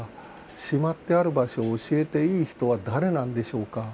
しまってある場所を教えていい人は誰なんでしょうか？